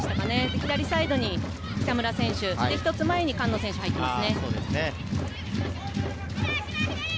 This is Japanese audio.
左サイドに北村選手、一つ前に菅野選手が入っています。